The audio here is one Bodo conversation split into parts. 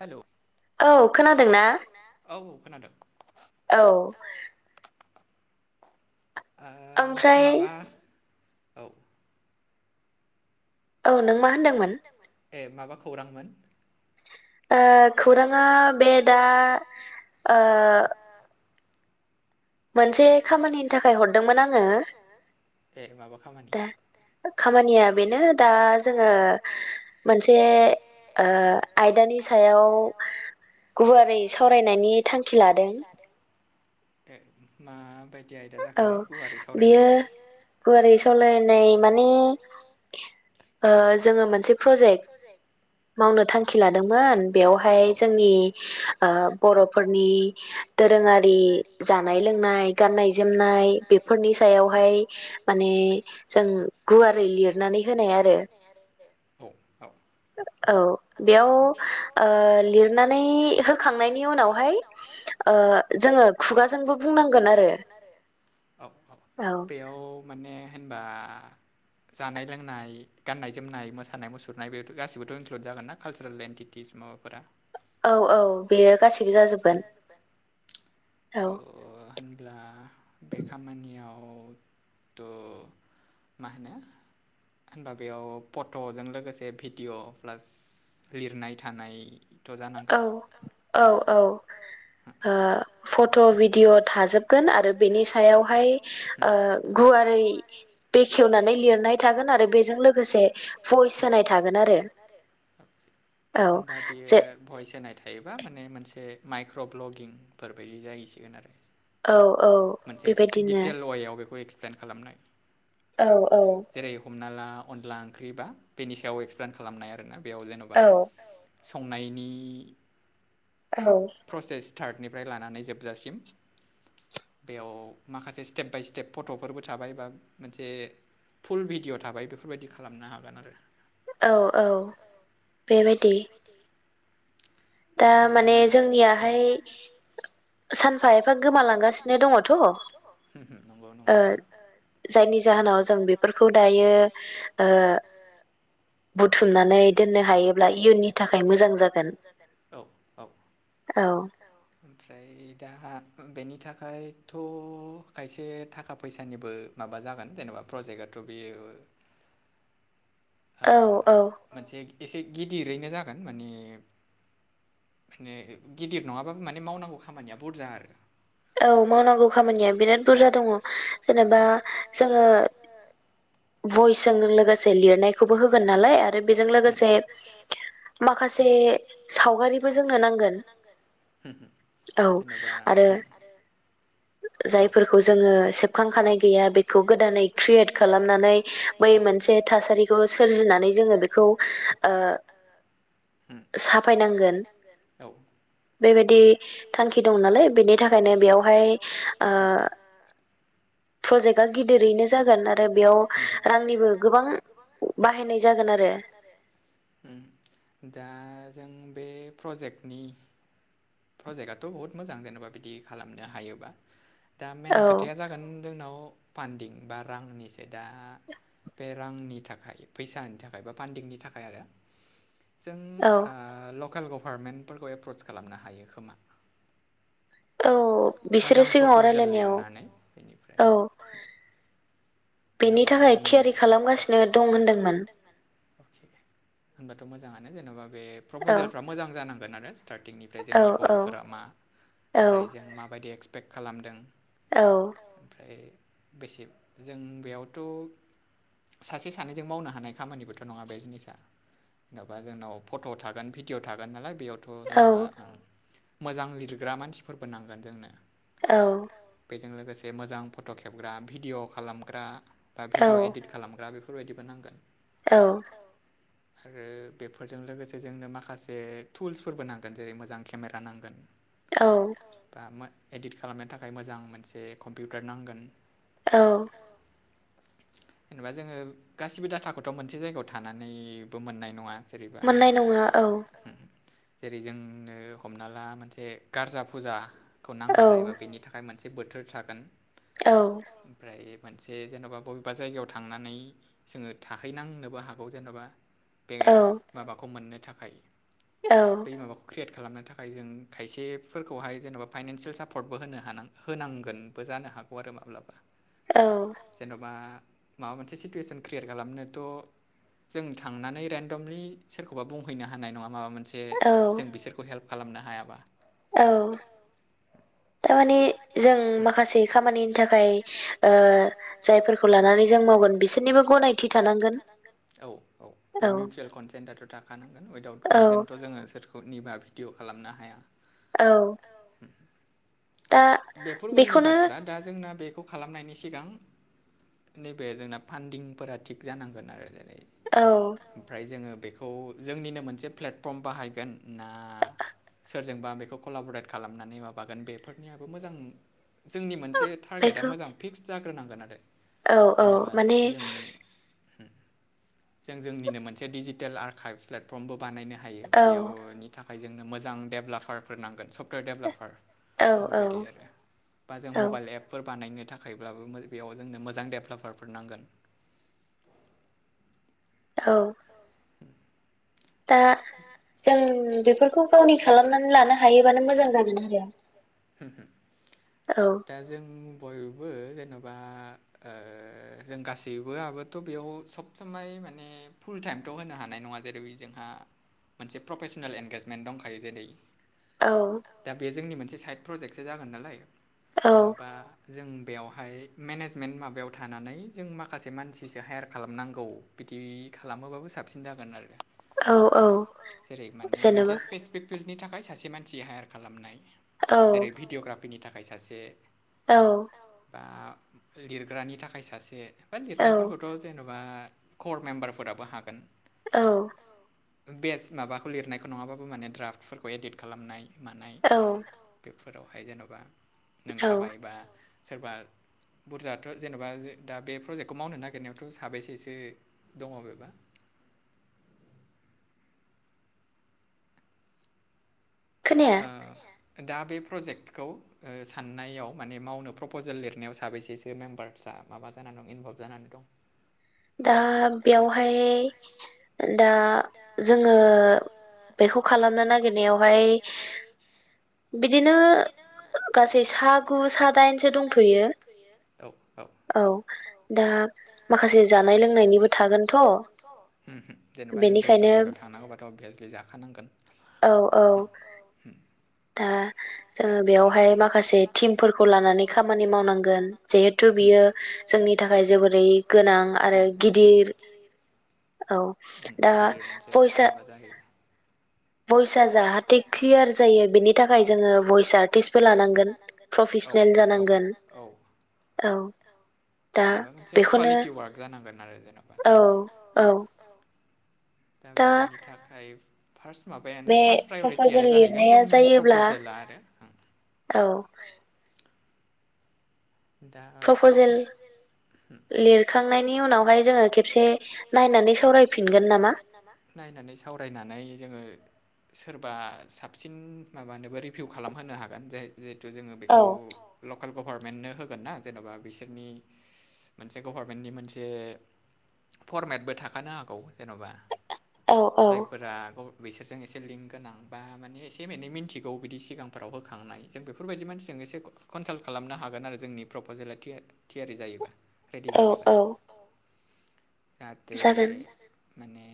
हेलौ। औ खोनादोंना। खोनादों। औ। ओ माबा औ। औ नों मा होनदोंमोन। माबा खौरांमोन। खौराङा बेदा ओ मोनसे खामानिनि थाखाय हरदोंमोन आंङो। खामानि खामानिया बेनो दा जोङो मोनसे ओ आयदानि नि सायाव गुवारै सावरायनायनि थांखि लादों। ए माबायदि आयदा जाखोलै गुवारै सावरायलायनाय। गुवारै सावलायनाय माने जोङो मोनसे प्रजेक्ट मावनो थांखि लादोंमोन बेयावहाय जोंनि ओ बर'फोरनि दोरोङारि जानाय जानाय लोंनाय गाननाय जोमनाय बेफोरनि सायावहाय माने जों गुवा लिरनानै होनाय आरो। औ औ बेयाव लिरनानै होखांनायनि उनावहाय जोङो खुगाजोंबो खुगाजोंबो नांगोन आरो औ औ बेयाव माने होनबा जानाय लोंनाय गान्नाय जोमनाय मोसानाय मुसुरनाय बेफोर गासिबोथ' इनक्लुद जागोन ना कालसारेल एनटिटिस। माबाफोरा औ औ बेयो गासैसिबो जाजोबगोन। स' होनब्ला बे खामानियावथ' मा होनो होमबा बेयाव फट'जों लोगोसे भिडिअ' प्लास लिरनाय थानाय औ औ औ। फट' भिडिय' थाजोबगोन आरो बेनि सायावहाय ओ गुवारै बेखेवनानै लिरनाय थागोन आरो बेजों लोगोसे भइस होनाय थागोन आरो। औ जे होनाय थायोबा माने मोनसे माइक्र' भ्लगिंफोरबायायदि जाहैसिगोन आरो। औ औ बेबायदिनो। प्लेन खालामनाय। औ औ। हमना ला अनला ओंख्रिबा बेनि सायाव एक्सप्लेन खालामनाय आरोना बेयाव जेन'बा संनायनि औ। टार्टनिफ्राय लानानै जोबजासिम। बेयाव माखासे स्टेप बाय स्टेप फट'फोरबो थाबाय बा मोनसे फुल भिडिय' थाबाय बेफोरबायदि खालामनो हागोन आरो। औ औ बेबायदि। दा माने जोंनियाहाय सानफा एफा गोमालांगासिनो दङथ'। नंगौ नंनायाथ' ओ जायनि जाहोनाव जों बेफोरखौ दायो ओ बुथुमनानै दोननो हायोब्ला इयुननि थाखाय मोजां जागोन। औ। दा बेनि थाखायथ' खायसे थाखा फैसानिबो माबा जागोन जेनेबा प्रजेक्टआथ' बेयो [inaudible] आ मोनसे एसे गिदिरैनो जागोन माने मे गिदिर नङाबाबो माने मावनांगौ खामानिया बुरजा आरो। औ मावनांगौ खामानिया बिराद बुरजा दङ जेनेबा जोङो भयसजोंनो लोगोसे लिरनायखौबो होगोन नालाय आरो बेजों लोगोसे माखासे सावगारिबो जोंनो नांगोन। औ आरो जायफोरखौ जोङो सेबखांखानाय गैया बेखौ गोदानै क्रियेट खालामनानैबो मोनसे थासारिखौ सोरजिनानै जोङो बेखौ साफायनांगोन औ बेबायदि थांखि दं नालाय बेनि थाखायनो बेयावहाय प्रजेक्टआ गिदिरैनो जागोन आरो बेयाव आंनि गोबां बाहायनाय जागोन आरो दा जों बे प्रजेक्टनि प्रजेक्टआथ' बहुत मोजां जेनेबा बिदि खालामनो हायोबा दा मेन खोथाया जागोन जोंनाव फान्दिं बा रांनिसो दा बे रांनि थाखाय फैसानि थाखाय बा फान्दिंनि थाखाय आरो जों लकेल गभारमेन्ट फोरफोरखौ एप्रस खालामनो हायो खोमा मोजां प्रप'जेल लिरनानै बेनिफ्राय जेन'बा जोंनि खालामगासिनो दं होनदोंमोन होनबाथ' मोजाङानो जेन'बा बे प्रपजेलफ्रा मोजां जानांगोन आरो स्टार्टिंनिफ्राय जोंनि गलफोरा मा ओमफ्राय जों माबायदि एक्सपेक्ट खालामदों औ बेसे जों बेयावथ' सासे सानैजों मावनो हानाय खामानिबोथ' नङा बे जिनिसा जेन'बा जोंनाव फट' थागोन भिदिअ थागोन नालाय बेयावथ' जेन'बा मोजां लिरग्रा मानसिफोरबो नांगोन जोंनो औ बेजों लोगोसे मोजां फट' खेबग्रा भिडअ खालामग्रा बा भिडअ एदिट खालामग्रा बेफोर बेफोरबायदिबो नांगोन औ आरो बेफोरजों लोगोसे जोंनो माखासे थुल्सफोरबो नांगोन जेरै मोजां केमेरा नांगोन औ एडिट खालामनो थाखाय मोजां मोनसे कम्पिउटार नांगोन औ जेनेबा जोङो गासिबो डाटाखौथ' मोनसे जायगायाव थानानैबो मोननाय नङा जेरैबा जेरै जोंनो हमना ला मोनसे गारजा फुजाखौ नांगौ जायोबा बेनि थाखाय मोन मोनसे बोथोर थागोन औ मोनसे जेन'बा बबेबा जायगायाव थांनानै जोङो थाहैनांनोबो हागौ जेन'बा बे माबाखौ मोननो थाखाय बै माबाखौ क्रियेट खालामनो थाखाय जों खायसेफोरखौहाय जेन'बा फाइनान्सियेल सापर्टबो होनो ह होनांगोनबो जानो हागोन हागवा आरो माब्लाबा जेन'बा माबा मोनसे सिटुवेसन क्रियेट खालामनोथ' जों थांनानै रेन्डमलि सोरखौबा बुंहैनो हानाय नङा माबा मोनसे जों बिसोरखौ हेल्प खालामनो हायाबा औ थारमानि जों माखासे खामानिनि थाखाय ओ जायफोरखौ लानानै जों मावगोन बिसोरनिबो गनायथि थानांगोन औ केल कनसेन्टथ' थाखानांगोन उइदाउट कनसेन्टथ' जोङो सोरखौ निबा भिडिअ खालामनो हाया औ बेफोर उननि बाथ्रा दा जोंना बेखौ खालामनायनि सिगां नैबे जोंना फान्दिंफोरा थिग जानांगोन आरो ओमफ्राय जोङो बेखौ जोंनिनो मोनसे प्लेटफर्म बाहायगोन ना सोरजोंबा बेखौ कलाबरेट खालामनानै माबागोन बेफोरनियाबो मोजां। जोंनि मोनसे टारगेटआ मोजां फिक्स जाग्रोनांगोन आरो। औ औ माने जों जोंनिनो मोनसे डिजिटेल आर्काइभ प्लेटफर्मबो बानायनो हा हायो बेनि थाखाय जोंनो मोजां डेभेलपारफोर नांगोन डेभलपार बेफोरबायदि आरो बा जों मबाइल एपफोर बानायनो थाखायब्लाबो बेयाव जोंनो मोजा देभेलपार नांगोन। औ। दा जों बेफोरखौ गावनि खालामनानै लानो हायोबानो मोजां जागोन आरो। दा जों बय जेन'बा जों गासैबो आबोथ' बेयाव सब समाय माने फुल टाइमथ' होनो हानाय नङा जेरै जोंहा मोनसे प्रफेसनेल एनगेजमेन्ट दंखायो जेरै दा बे जोंनि मोनसे साइद प्रजेक्सो जागोन नालाय जेन'बा जों बेवहाय मेनेजमेन्ट माबायाव थानानै जों माखासे मानसिसो हायार खालामनांगौ बिदि बि खालामोबाबो साबसिन जागोन आरो। जेरै माने मोनसे स्पेसिफिक फिल्डनि थाखाय सासे मानसि हायार खालामनाय जेरै भिडिअ'ग्राफिनि थाखाय सासे औ। बा लिरग्रानि थाखाय सासे बा लिरनायफोरखौथ' जेन'बा एा कर मेम्बारफोराबो हागोन औ। बेस्ट माबाखौ लिरनायखौ नङाबाबो माने द्राफ्टफोरखौ एडिट खालामनाय मानाय बे फोरावहाय जेन'बा नोंथाबाय बा सोरबा बुरजायाथ' जेन'बा दा बे प्रजेक्टखौ मावनो नागिरनायावथ' साबैसेसो दङ बेबा [inaudible] [unintelligible] दा बे प्रजेक्टखौ साननायाव माने मावनो प्रपजेल लिरनायाव साबैसेसो मेम्बार्स दा माबा जानानै दं इनभल्भ जानानै दं। दा बेयावहाय दा जोङो बेखौ खालामनो नागिरनायावहाय बिदिनो गासै सा गु सा दाइनसो दंथ'यो औ दा माखासे माखासे जानाय लोंनायनिबो थागोनथ' जेनेबा जों दस्रा जायगायाव थांनांगौबाथ' अभियासलि जाखानांगौ औ औ दा जोङो बेयावहाय माखासे टिमफोरखौ लानानै खामानि मावनांगोन जिहेथु बियो जोंनि थाखाय। जोबोरै गोनां आरो गिदिर औ दा फैसा। भइस जाहाथे क्लियार जायो बेनि थाखाय जोङो भइस आर्टिसबो लानांगोन प्रेन [unintelligible] औ। जेनबा मोनसे क्वालिटि वार्क जानांगोन आरो जेनेबा ज दा बेनि थाखाय फार्स्ट माब माबायानो फार्स्ट प्रायरिटियानो जाहैगोन जोंनि प्रपजेला आरो। औ। दा ओ प्रपजेल लिरखांनायनि उनावहाय जोङो खेबसे नायनानै सावरायफिनगोन नामा नानै सावरायनानै जोङो सोरबा साबसिन माबानोबो रिभिउ खालामहोनो हागोन जे जिहेतु जोङो बेखौ लकेल गभारनमेन्टनो हो होगोना जेन'बा बिसोरनि मोन गभन मोनसे फरमेटबो थाखानो हागौ जेन'बा जायफोरा बेसोरजों एसे लिंक गोनां बा माने एसे एाने मिनथिगौ बिदि सिगांफोराव होखांनाय जों बेफोरबायदि मानसिजों से कनसाल्ट खालामनो हागोन आरो जोंनि प्रपजेला थियारि जायोबा रेडि जायोबा जाहाथे माने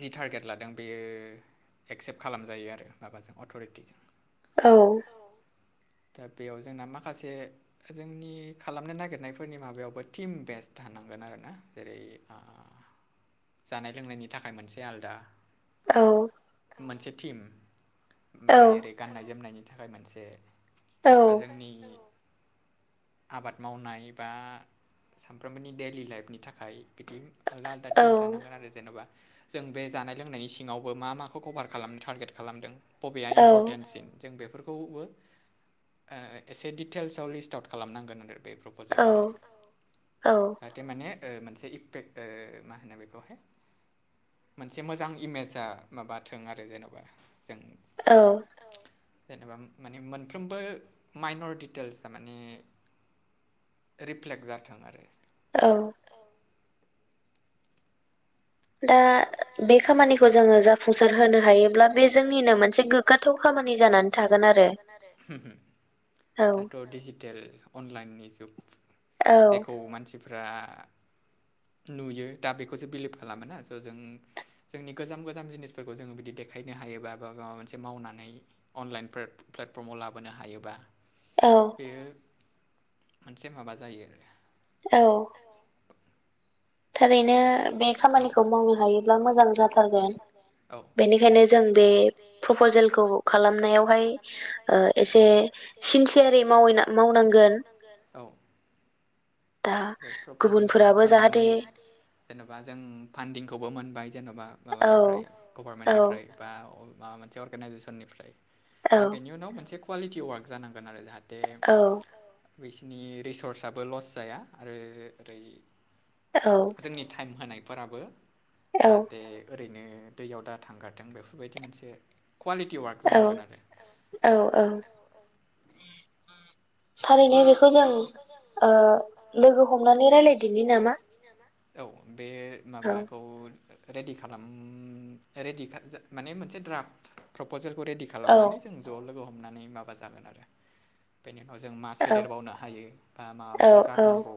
जि टारगेट लादों बेयो एक्सेप्ट खालामजायो आरो माबाजों अथ'रिटिजों औ। दा बेयाव जोंना माखासे जोंनि खालामनो नागिरनायफोरनि माबायावबो टिम बेस थानांगौ थांगोन आरोना जेरै जानाय लोंनायनि थाखाय मोनसे आलदा औ। मोनसे टिम ओमफ्राय ओरै गाननाय जोमनायनि थाखाय मोनसे जोंनि आबाद मावनाय बा सानफ्रोमबोनि दैलि लाइफनि थाखाय बिदि आलदा आलदा टिम थानांगोन आरो जेन'बा जों बे जानाय लोंनायनि सिङावबो मा माखौ कभार खालामनो टारगेट खालामदों बबेया इम्परटेन्टसिन जों बे बेफोरखौबो एसे डिटेल्सआव लिस्ट आउट खालामनांगोन आरो बे प्रपजेलावहाय जाहाथे माने मोनसे इफेक्ट मा होनो बेखौहाय मोनसे मोजां इमेजआ माबाथों आरो जेन'बा जों औ। जेनेबा माने मोनफ्रोमबो माइनर दिडिटेल्सआ माने रिफ्लेक्ट जाथों आरो। औ। दा बे खामानिखौ जोङो जाफुंसार होनो हायोब्ला बे जोंनिनो मोनसे गोग्गाथाव खामानि खामानि जानानै थागोन आरो दाथ' डिजिटेल अनलाइननि जुग जेखौ मानसिफ्रा नुयो दा बेखौसो बिलिभ खालामोना आरो स' जों जोंनि गोजाम गोजाम जिनिसफोरखौ जोङो बिदि देखायनो हायोबा बा माबा मोनसे मावनानै अनलाइन प्लेटफर्माव लाबोनो हायोबा बेयो मोनसे माबा जायो आरो। औ। थारैनो बे खामानिखौ मावनो हायोब्ला मोजां जाथारगोन बेनिखायनो जों बे प्रपजेलखौ खालामनायावहाय एसे सिनसियारिै मावै जेरै माव मावनांगोन औ [inaudible] बे प्रपजेलखौ होखांनानै जेन'बा जों फान्दिंखौबो मोनबाय जेन'बा माबानिफ्राय गभारमेन्टनिफ्राय बा माबा मोनसे अर्गेनाइजेसननिफ्राय दा बेनि उनाव मोनसे कुवालिटि ववार्क जानांगौ आरो जाहाथे बिसनि रिसर्साबो लस जाया आरो ओरै जोंनि टाइम होनायफोराबो जाहाथे ओरै बिनो दैयाव दा थांगारदों बेफोरबायदि मोनसे क्वालिटि वार्क जानांगोन आरो ओं औ औ। थारैनो बेखौ जों ओ लोगो हमनानै रायलायदिनि नामा। औ बे माबाखौ रेडि खालाम रेडि माने मोनसे द्राफ्ट प्रपजेल बेखौ रेडि खालामनानै जों ज' लोगो हमनानै माबा जागोन आरो बेनो जों मा सोदेरबावनो हायो बा माबाफोर गारनांगौ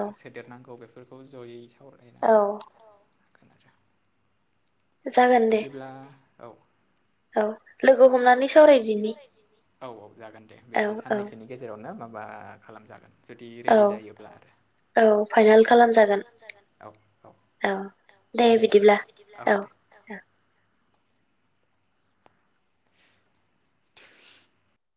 बा सोदेरनांगौ। खौ बेफोरखौ जयै सा औ बिदिब्ला औ औ लोगो हमनानै सावरायदिनि। औ औ जागोन दे बे साननैसोनि गेजेरावनो माबा खालामजागोन। औ औ फायनाल खालामजागोन औ। दे बिदिब्ला औ औ।